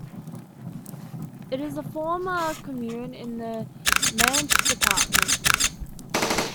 It is a former commune in the Manche department.